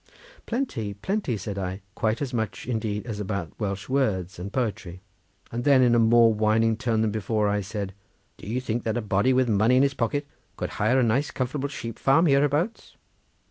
"Plenty, plenty," said I; "quite as much indeed as about Welsh words and poetry." Then in a yet more whining tone than before, I said, "Do you think that a body with money in his pocket could hire a comfortable sheep farm hereabouts?"